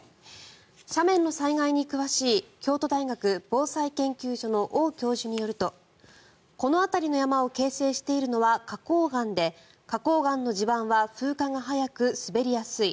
斜面の災害に詳しい京都大学防災研究所のオウ教授によるとこの辺りの山を形成しているのは花こう岩で花こう岩の地盤は風化が早く、滑りやすい。